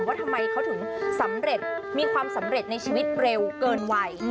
ว่าทำไมเขาถึงสำเร็จมีความสำเร็จในชีวิตเร็วเกินวัย